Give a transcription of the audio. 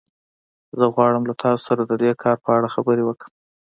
زه غواړم له تاسو سره د دې کار په اړه خبرې وکړم